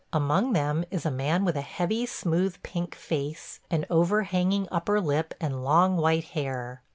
Among them is a man with a heavy, smooth, pink face, an overhanging upper lip and long white hair.